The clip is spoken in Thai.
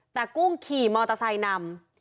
แต่กุ้งขี่มอเตอร์ไซค์นำ